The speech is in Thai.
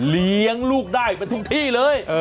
เลี้ยงลูกได้มันทุกที่เลย